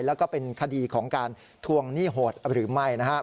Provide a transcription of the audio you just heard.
แล้วก็เป็นคดีของการทวงหนี้โหดหรือไม่นะครับ